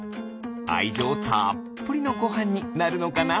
あいじょうたっぷりのごはんになるのかな。